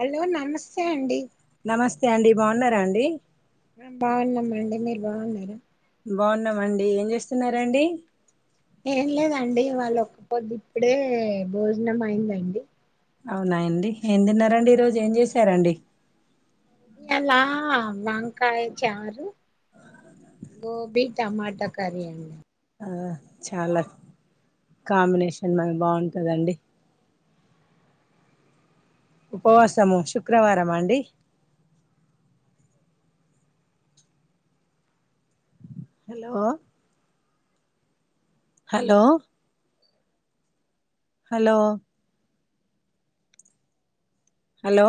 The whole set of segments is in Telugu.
హలో నమస్తే అండి. నమస్తే అండి, బావున్నారా అండి. ఆ బాగున్నాం అండి, మీర్ బావున్నారా. బావున్నామండి, ఏం జేస్తున్నారండి. ఏం లేదండి, ఇవాళ్ళ ఒక్కపొద్దు. ఇప్పుడే భోజనం అయిందండి. అవునాయండి. ఏం తిన్నారండి, ఈ రోజ్ ఏం జేశారండి. ఈయాల్ల వంకాయ చారు, గోబీ టమాటా కర్రీ అండి. అ చాలా కాంబినేషన్ [unintelligible] బాగుంటదండి. ఉపవాసము, శుక్రవారమా అండి. Hello. Hello. Hello. Hello.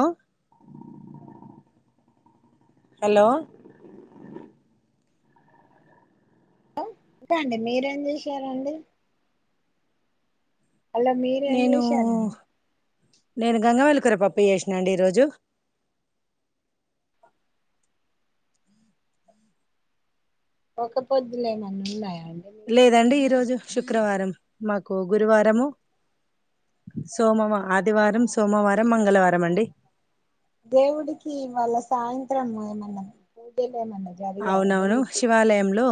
Hello. లో ఇంకా అండి, మీరేం జేసారండి. మళ్ళా మీరేం నేను జేశారండి. నేను గంగవయిల్ కూర పప్పు, జేసినాండి ఈరోజు. ఒక పొద్దులేమన్న ఉన్నాయా? అండి మీకు లేదండి ఈరోజు శుక్రవారం, మాకు గురువారము, సోమవ ఆదివారం, సోమవారం, మంగళవారం అండి. దేవుడికి ఇవాళ సాయంత్రం, ఏమన్నా పూజల్ అవునవును శివాలయంలో,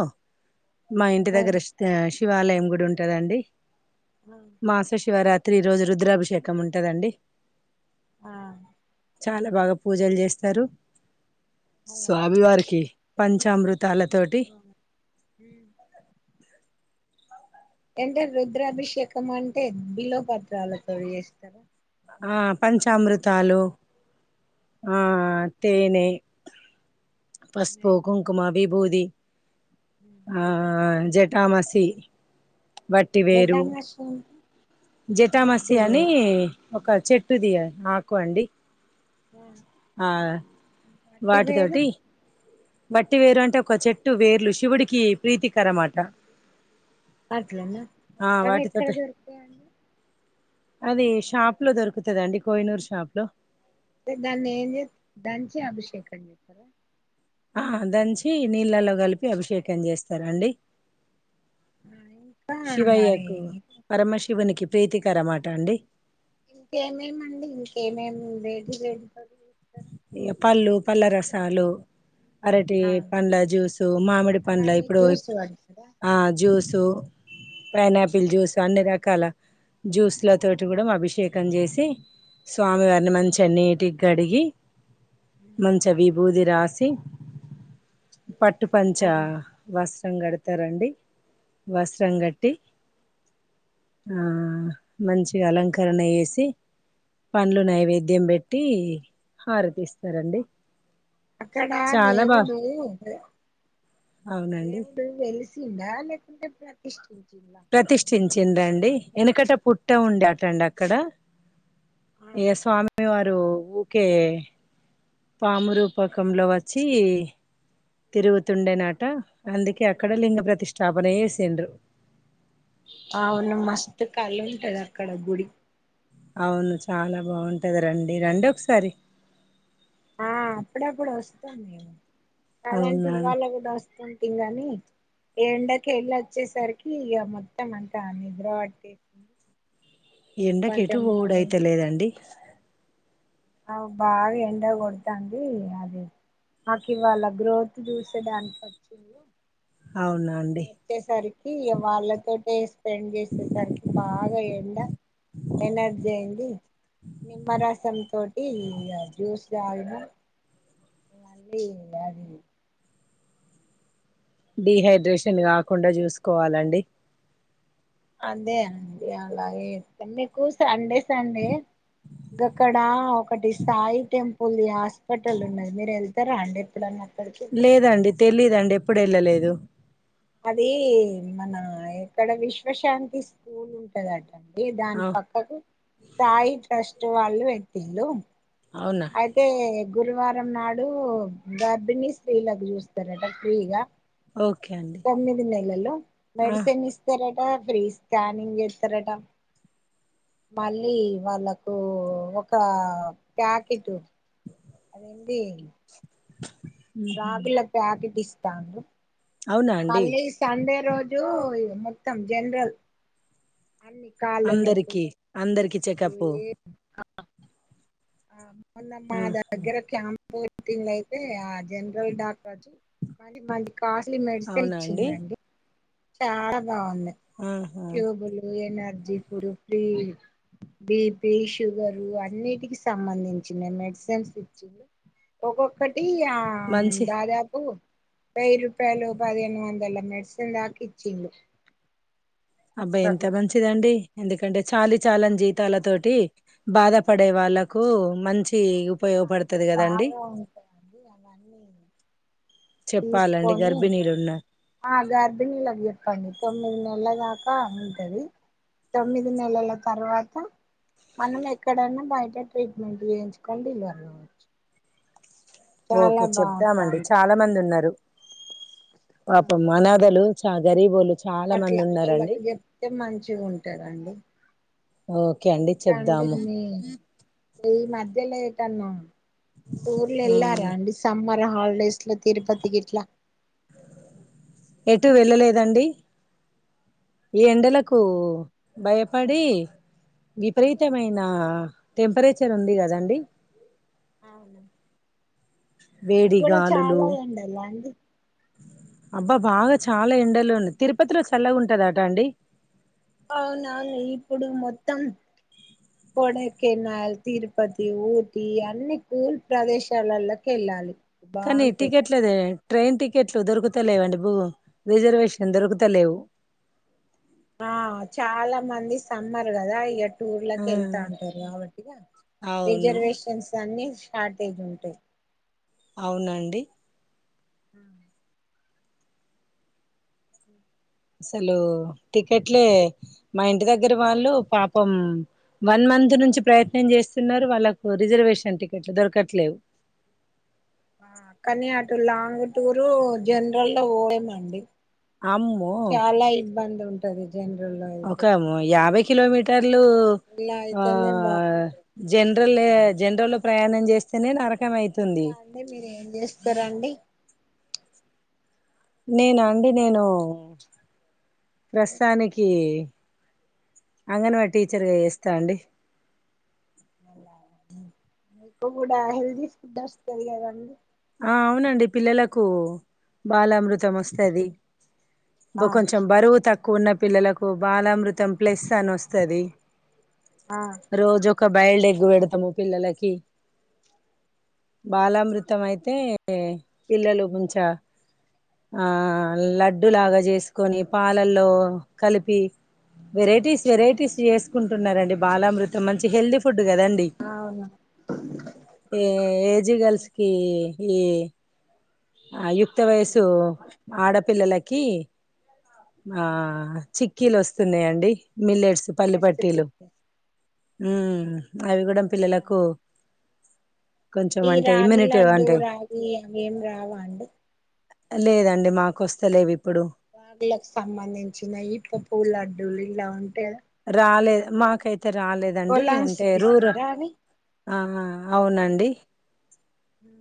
మా ఇంటి ఆ దగ్గర షిత్ శివాలయం గుడి ఉంటదండి. ఆ మాస శివరాత్ త్రీ రోజు, రుద్రాభిషేకం ఉంటదండి. ఆ. చాలా బాగా పూజలు జేస్తారు. పంచామృత్ తాళ్ళ తోటి, హుమ్మ్. అంటే రుద్రాభిషేకం అంటే, బిల్వ పత్రాలతో చేస్తారా. ఆ పంచామృతాలు, ఆ ఆ తేనే, పస్పు, నెయ్యి కుంకుమ, విబూది, ఆ జఠామసి. గేదయమ్మ వసుంది జటామసి అని ఒక చెట్టు ది ఆకు అండి ఆ ఇ వేరు మట్టి వేరు అంటే ఒక చెట్టు వేర్లు శివుడికి ప్రీతికరమాట అట్లనా ఆ అవి ఎక్కడ వాటితోటి దొరుకుతాయండి అది షాప్ లో దొరుకుతదండి కోయినూరు షాప్ లో అంటే దాన్ని ఏం జే దంచి అభిషేకం చేత్తరా ఆ దంచి నీళ్ళలో కలిపి అభిషేకం చేస్తారండి ఇంకా మరి శివయ్యకు పరమశివునికి ప్రీతికరమాట అండి ఇంకేమేమండి ఇంకేమేమింది [unintelligible] ఇగ పళ్ళు పళ్ళ రసాలు అరటి పండ్ల జ్యూసు మామిడి పండ్ల అవన్నీ ఇప్పుడు జ్యూస్ పడతారా ఆ జ్యూస్ సు పైనాపిల్ జ్యూస్ అన్ని రకాల జ్యూస్ లో తోటి గూడా అభిషేకం చేసి స్వామి వార్ని మంచిగా నీటీగా గడికి గి మంచిగా విబుది రాసి పట్టుపంచ వస్త్రం కడతారండి వస్త్రం గట్టి మ్ మంచిగా అలంకరణ జేసి పండ్లు నైవేద్యం బెట్టి హారతీస్తారండి అక్కడ దేవుడు అవునండి దేవుడు వెలిసిండా లేకుంటే ప్రతిష్టి ప్రతిష్ఠించిండండి వెనకట పుట్ట ఉండేటండి అక్కడ ఏ స్వామి వారు ఊకే పామురూపకంలో వచ్చి తిరుగుతుండే నట అందుకే అక్కడ లింగ ప్రతిస్టాపనా జేసిండ్రు అవును మస్తు కలుంటది అక్కడ గుడి అవును చాలా బాగుంటది రండి రండి ఒకసారి ఆ అప్పుడప్పుడు వస్తాం మేము కాదంటే అవునా ఇవాళ గూడా వస్తా ఉంటిం గానీ ఎండక ఎళ్ళ వచ్చేసరికి ఇక మొత్తం అంత నిద్ర బట్టింది. ఎండకెటు బోవుడయిత లేదండి అ బాగా ఎండ కొడతాంది అది మాకు ఇవాళ గ్రోత్ చూసేడానికి వచ్చిల్లు అవునా అండి వాళ్ళతోటే స్పెండ్ చేసేసరికి బాగా ఎండ ఎనర్జీ అయింది నిమ్మరసంతోటి ఇగ జ్యూస్ దాగినా మళ్ళీ అది డీహైడ్రేషన్ కాకుండా చూసుకోవాలండి అదే అండి అలాగే మీకు సండే సండే గోక్కడా ఒకటి సాయి టెంపుల్ ది హాస్పిటల్ ఉన్నది మీరు వెళ్తారా అండి ఎప్పుడున్న లేదండి తెలీదండి ఎప్పుడు వెళ్ళలేదు అది మన ఇక్కడ విశ్వశాంతి స్కూల్ ఉంటదట దాని ఆ పక్కకు సాయి ట్రస్ట్ వాళ్ళు పెట్టిళ్ళు అవునా అయితే గురువారం నాడు గర్భిణీ స్త్రీలకు చూస్తారట ఫ్రీగా ఓకే అండి తొమ్మిది నెలలు ఆ మెడిసిన్ ఇస్తారట ట ఫ్రీ స్కానింగ్ జేత్తరటా మళ్ళీ వాళ్ళకు ఒక ప్యాకెట్ అదేంది ఉహు. రాగుల ప్యాకెట్ ఇస్తాండ్రు అవునా అండి మళ్ళీ సండే రోజు మొత్తం జనరల్ అన్ని కాాలన్నొప్పులు అందరికి అందరికి నువ్ చెకప్ ఏప్ ఆ మొన్నమ్ మా ఆ, దగ్గర క్యాం పోటింగ్ అయితే ఆ జనరల్ డాక్టర్ చు పదిమంది కాస్ట్లీ మెడిసిన్ అవునా అండి ఇచ్చిందండి చాలా బాగుంది ఆహా ట్యూబులు ఏమా జిఫురు ఫ్రీ బిపి షుగరు అన్నిటికి సంబంధించిన మెడ్ సేమ్ పిచ్ ఒక్కొక్కటి ఆ మంచి దాదాపు వెయ్యి రూపాయలు పదిహేను వందల మెడ్సిన్ దాక ఇచ్చిన్డు అబ్బా ఎంత మంచిదండి ఎందుకంటే చాలి చాలని జీతాలతోట్ టి బాధపడే వాళ్ళలకు మంచి ఉప్ అది బాగా ఉంటాయండి అవన్ని చెప్పాలండి తీసుకొని గర్భిణీలు ఉన్నారు ఆ గర్భినీలకు చెప్పండి తొమ్మిది నెల్ ల్ల దాకా ఉంటది తొమ్మిది నెలల తర్వాత మనం ఎక్కడైన్నా బయట ట్రీట్మెంట్ చేయించుకోని డెలివర్ గావచ్చు ఓకే చెప్దామండి చాలా మంది ఉన్నారు పాపం అనాదలు చా గరీబ్ వో లు అట్లా వాళ్ళకి చెప్తే మంచిగా ఉంటారండి ఓకే అండి ఇంకా అంటే చెప్దాము మీ ఈ మధ్యలో టన్నా టూర్లు ఆ వెళ్ళారా అండి సమ్మర్ హాలిడేస్ లో తిరుపతి గిట్లా ఎటూ వెళ్ళలేదండి ఈ ఎండలకు భయపడి విపరీతమైన టెంపరేచర్ ఉంది కదండి అవునా మీకు వేడి కూడా గాలులు చాలా ఎండలా అండి అబ్బా బాగా చాలా ఎండల్లో ఉన్నాయ్ తిరుపతిలో చల్లగుంటదట అండి అవునవును ఇప్పుడు మొత్తం కొడైకెనాల్ తిరుపతి ఊటి అన్ని కూల్ ప్రదేశాలలోకి వెళ్ళాలి కానీ బాగుంటది టికెట్లేదే ట్రైన్ టికెట్లు దొరుకుతలేవండి బో రిజర్వేషన్ దొరుకుత లేవు ఆ చాలా మంది సమ్మర్ కదా ఎట్ టూర్లకి ఆ వెళ్తా ఉంటారు కాబట్టి అవును రిజర్వేషన్స్ అన్ని స్టార్టేజ్ ఉంటాయ్ అవున అండి ఉమ్ అసలు టికెట్లే మా ఇంటి దగ్గర వాళ్ళు పాపం వన్ మ మంత్ నుంచి ప్రయత్నం చేస్తున్నారు వాళ్ళకు రిజర్వేషన్ టికెట్లు దొరకట్లేవు ఆ కానీ అటు లాంగ్ టూరు జనరల్ లో పోలేమండి అమ్మో చాలా ఇబ్బంది ఉంటది జనరల్ లో అయితే ఒకాము యాభై కిలోమీటర్ ట్లూ ఇలా ఆ అయితేనే బాగుంటది జనరలే వెళ్ళడానికి జనరల్లో ప్రయాణం చేస్తేనే నరక్ ఇంకా అండి మీరెం చేస్తరండి నేన అండి నేను ప్రస్తుతానికి అంగన్ వాడి టీచర్గా చేస్తా అండి అ మీకు కూడా హెల్దీ ఫుడ్ వస్తది కదా అండి ఆ అవునండి పిల్లలకు బాలమృతం వస్తది బో ఆ కొంచెం బరువు తక్ ఉన్న పిల్లలకు బాలామృతం ప్లెస్ అని వస్తుంది ఆ రోజు ఒక బయల్డెగ్గు పెడతాము పిల్లలకి ఆ బాలా మృతి అంతే పిల్లలు గుంచ ఆ లడ్డులాగా చేసుకొని పాలల్లో కలిపి వెరైటీస్ వెరైటీస్ చేసుకుంటున్నారండి బాలామృతం మంచి హెల్దీ ఫుడ్ కదాండి అవును ఏ ఏజ్ అది గల్స్ ఇ ఆ యుక్త వయసు ఆడపిల్లలకి ఆ చిక్ కీలు వస్తున్నాయండి మిల్లెట్స్ పల్ల రెసిపీ. పట్టీలు ఉ అవి కూడ పిల్లలకు కొంచెం ఈ అంటే రాగి ఇమ్యూనిటీ లడ్డు అంటే రాగి అవి ఏం రావాండి లేదండి మాకొస్త లేవు ఇప్పుడు వాగులకు సంబంధించిన ఈప్ప పూల లడ్డూలు ఇలా ఉంట రాలేదు మాకైతే రాలేదండి కొలాంగ్స్ అంటే కి రూరు ఇస్తారా అవి అవునండి హ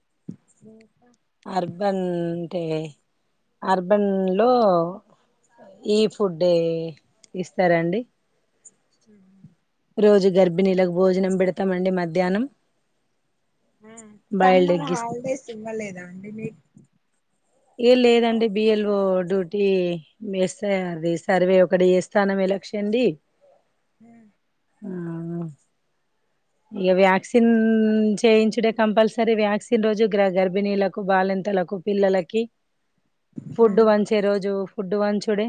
[inaudible] అర్బన్ అంటే అర్బన్ లో ఈ ఫుడే ఇస్తరాండి హ రోజు గర్భిణీలకు భోజనం పెడతామండి మధ్యాహ్నం boiled summer egg is holidays ఇవ్వలేదా అండి మీకు ఏ లే లేదండి బిఎల్ ఒ [unintelligible] అది సర్వే ఒకటి ఏ స్థానం ఎ లక్ష అండి అ ఇక వ్యాక్సిన్ చేయించుడే కంపల్సరీ వ్యాక్సిన్ రోజు గర్భిణీలకు బాలింతలకు పిల్లలకి ఆ ఫుడ్ పంచే రోజు ఫుడ్ పంచుడే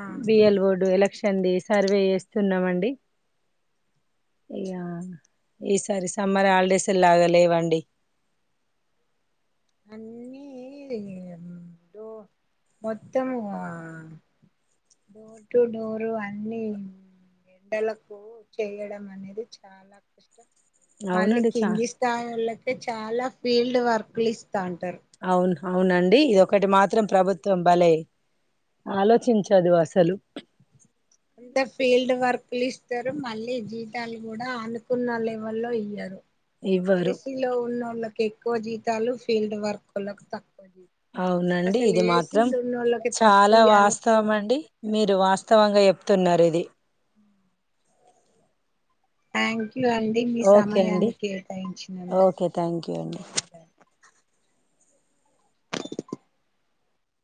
ఆ బిఎల్ బోర్డు ఎలక్షన్ది సర్వే చేస్తున్నామండి ఈసారి సమ్మర్ హాలిడేసే లేవండి అన్నీ మొత్తం ఆ డోర్ టు డోర్ అన్ని ఎండలకు చేయడం అనేది చాలా కష్టం మళ్ళీ అవునండి చా కింది స్థాయిళకే చాలా ఫీల్డ్ వర్క్ లు ఇస్తా ఉంటారు అవును అవునండి ఇది ఒకటి మాత్రం ప్రభుత్వం భలే ఆలోచించదు అసలు అంత ఫీల్డ్ వర్క్లు ఇస్తారు మళ్ళీ జీతాలు కూడ అనుకున్న లెవెల్ లో ఇయ్యారు ఇవ్వరు ఏసి లో ఉన్న ఒళ్ళకి జీతలు ఫీల్డ్ వర్కులు అవునండి ఇది మాత్రం ఉన్నోళ్ళకి చాల తక్కువ ఇయ్యాలి వాస్తవం ఫీల్డ్ అండి మీ మీరు వాస్తవంగా చెప్తున్నారు ఇది [unintelligible] థ్యాంక్ యు అండి మీ ఓకే అండి సమయాన్ని కేటాయించినందుకు ఓకే థ్యాంక్ యూ అండి ధన్యవాదాలు